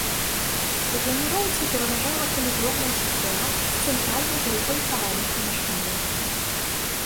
У планіроўцы пераважала калідорная сістэма з цэнтральнай групай парадных памяшканняў.